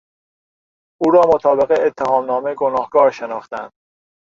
او را مطابق اتهامنامه گناهکار شناختند.